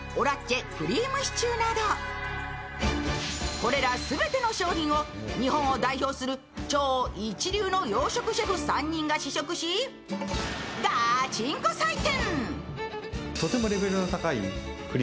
これら全ての商品を日本を代表する超一流の洋食シェフ３人が試食しガチンコ採点。